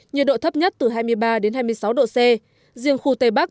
nhiệt độ thấp nhất từ hai mươi ba đến hai mươi sáu độ c